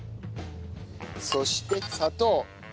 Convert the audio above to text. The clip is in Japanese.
そして砂糖。